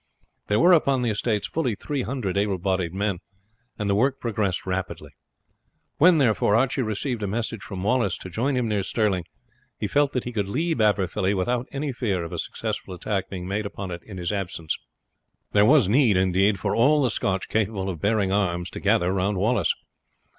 There were upon the estates fully three hundred ablebodied men, and the work progressed rapidly. When, therefore, Archie received a message from Wallace to join him near Stirling, he felt that he could leave Aberfilly without any fear of a successful attack being made upon it in his absence. There was need, indeed, for all the Scotch, capable of bearing arms, to gather round Wallace.